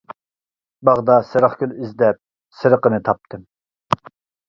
باغدا سېرىق گۈل ئىزدەپ، سېرىقىنى تاپتىم.